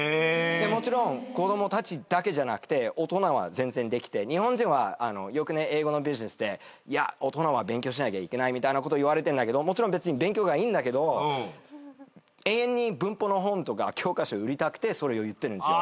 もちろん子供たちだけじゃなくて大人は全然できて日本人はよくね英語のビジネスで「大人は勉強しなきゃいけない」みたいなこと言われてんだけどもちろん別に勉強がいいんだけど永遠に文法の本とか教科書売りたくてそれを言ってるんですよ。